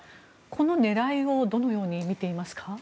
この狙いをどのようにみていますか？